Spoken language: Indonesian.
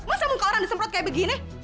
masa muka orang disemprot kayak begini